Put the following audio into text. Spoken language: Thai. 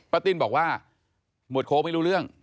ติ้นบอกว่าหมวดโค้กไม่รู้เรื่อง